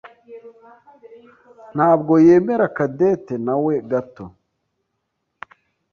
ntabwo yemera Cadette nawe gato.